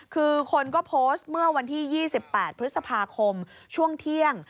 คือคนก็โพสต์เมื่อวันที่๒๘พฤษภาคมช่วงเที่ยง